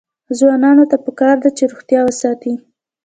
ځوانانو ته پکار ده چې، روغتیا وساتي.